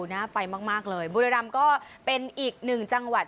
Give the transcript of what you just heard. น่าไปมากเลยบุรีรำก็เป็นอีกหนึ่งจังหวัด